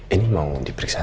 ini mau diperiksa